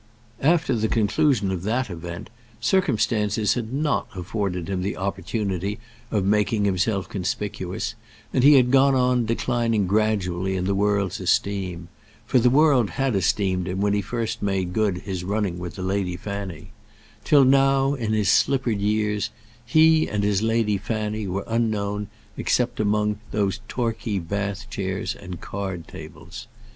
After the conclusion of that event circumstances had not afforded him the opportunity of making himself conspicuous; and he had gone on declining gradually in the world's esteem for the world had esteemed him when he first made good his running with the Lady Fanny till now, in his slippered years, he and his Lady Fanny were unknown except among those Torquay Bath chairs and card tables.